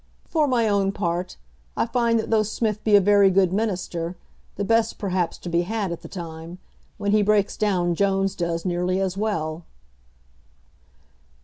For my own part, I find that though Smith be a very good Minister, the best perhaps to be had at the time, when he breaks down Jones does nearly as well."